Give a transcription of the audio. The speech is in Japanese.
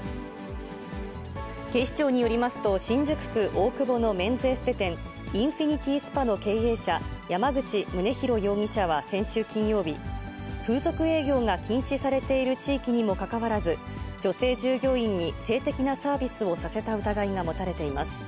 警視庁によりますと、新宿区大久保のメンズエステ店、インフィニティスパの経営者、山口宗紘容疑者は先週金曜日、風俗営業が禁止されている地域にもかかわらず、女性従業員に性的なサービスをさせた疑いが持たれています。